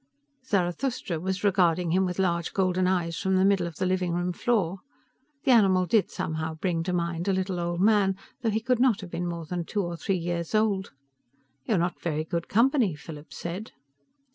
Zarathustra was regarding him with large golden eyes from the middle of the living room floor. The animal did somehow bring to mind a little old man, although he could not have been more than two or three years old. "You're not very good company," Philip said.